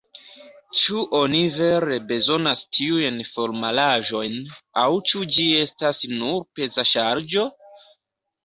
Ĉu oni vere bezonas tiujn formalaĵojn, aŭ ĉu ĝi estas nur peza ŝarĝo?